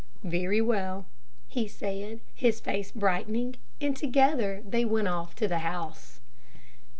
"Very well," he said, his face brightening, and together they went off to the house.